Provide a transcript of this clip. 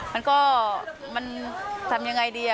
มันก็มันทำยังไงดี